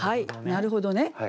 なるほど。